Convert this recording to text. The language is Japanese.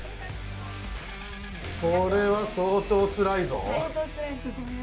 これは相当つらいぞ。